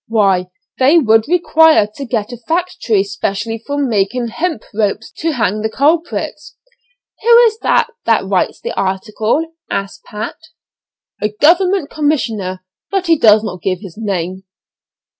Why, they would require to get a factory specially for making hemp ropes to hang the culprits." "Who is it that writes the article?" asked Pat. "A government commissioner, but he does not give his name."